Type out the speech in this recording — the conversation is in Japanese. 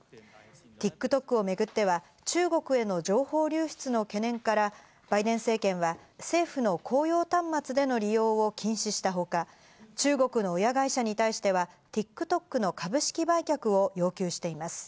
ＴｉｋＴｏｋをめぐっては、中国への情報流出の懸念からバイデン政権は政府の公用端末での利用を禁止したほか、中国の親会社に対してはＴｉｋＴｏｋの株式売却を要求しています。